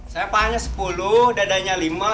saya pahamnya sepuluh dadanya lima